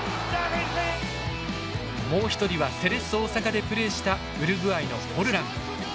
もう一人はセレッソ大阪でプレーしたウルグアイのフォルラン。